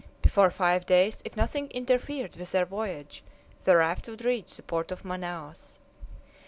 Before five days, if nothing interfered with their voyage, the raft would reach the port of Manaos.